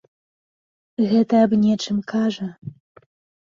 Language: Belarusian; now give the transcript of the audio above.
Гэта аб нечым кажа.